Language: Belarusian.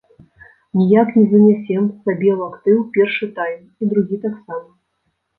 Ніяк не занясем сабе ў актыў першы тайм, і другі таксама.